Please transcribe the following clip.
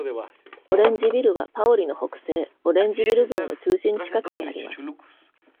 オレンジビルはパオリの北西、オレンジビル群の中心近くにあります。